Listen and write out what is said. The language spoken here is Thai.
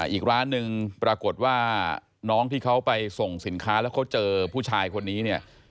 อีกร้านหนึ่งปรากฏว่าน้องที่เขาไปส่งสินค้าแล้วเขาเจอผู้ชายคนนี้เนี่ย